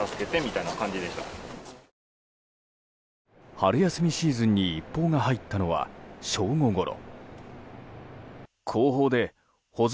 春休みシーズンに一報が入ったのは正午ごろ。